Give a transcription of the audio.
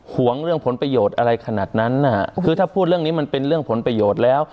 ห่วงเรื่องผลประโยชน์อะไรขนาดนั้นนะฮะคือถ้าพูดเรื่องนี้มันเป็นเรื่องผลประโยชน์แล้ว